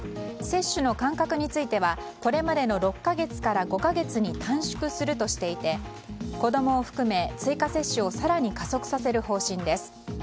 接種の間隔についてはこれまでの６か月から５か月に短縮するとしていて子供を含め追加接種を更に加速させる方針です。